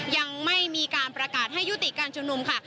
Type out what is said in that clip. ยังไม่มีการประกาศให้ยุติการชุมนุมค่ะ